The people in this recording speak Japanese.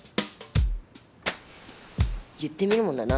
言ってみるもんだな。